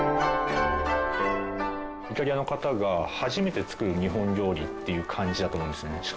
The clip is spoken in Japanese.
イタリアの方が初めて作る日本料理っていう感じだと思うんですね。